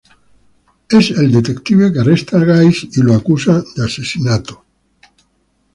Es el detective que arresta a Guys y lo acusa de asesinato.